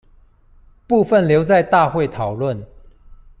部分留在大會討論